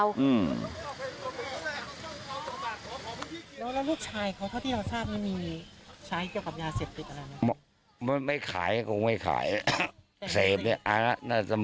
แล้วลูกชายเขาเพราะที่เราทราบ